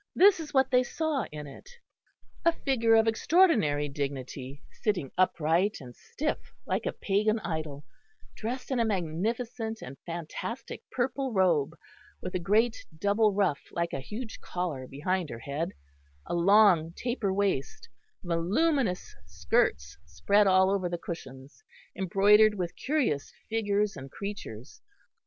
This is what they saw in it. A figure of extraordinary dignity, sitting upright and stiff like a pagan idol, dressed in a magnificent and fantastic purple robe, with a great double ruff, like a huge collar, behind her head; a long taper waist, voluminous skirts spread all over the cushions, embroidered with curious figures and creatures.